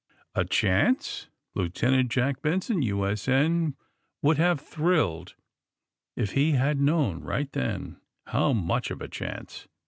A chance? Lieutenant Jack Benson, U. S. K, woud have thrilled if he had known, right then, how much of a chance.